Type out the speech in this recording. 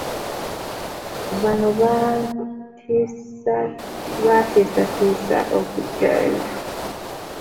Bano baatiisatiisa okuggyayo omusango gwabwe